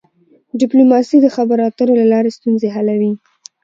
ډيپلوماسي د خبرو اترو له لاري ستونزي حلوي.